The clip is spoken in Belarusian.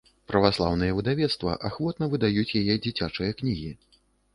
Праваслаўныя выдавецтва ахвотна выдаюць яе дзіцячыя кнігі.